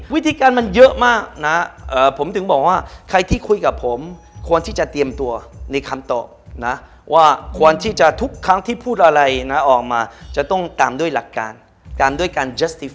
วิธีการมันเยอะมากนะผมถึงบอกว่าใครที่คุยกับผมควรที่จะเตรียมตัวในคำตอบนะว่าควรที่จะทุกครั้งที่พูดอะไรนะออกมาจะต้องตามด้วยหลักการตามด้วยการเจสติฟ